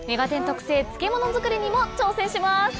特製漬物作りにも挑戦します。